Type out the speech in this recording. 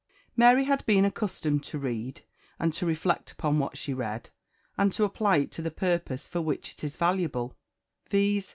'" Mary had been accustomed to read, and to reflect upon what she read, and to apply it to the purpose for which it is valuable, viz.